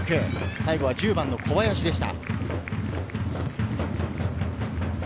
最後は１０番・小林でした。